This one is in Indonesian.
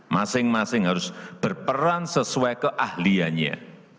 masing masing harus berperan sesuai keahliannya